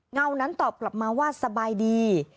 เงานั้นตอบกลับมาว่าสบายดี